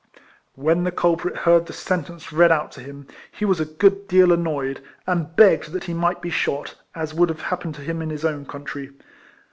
When the culprit heard the sentence read out to him, he was a good deal annoyed, and begged that he might be shot, as would have happened to him in his own country.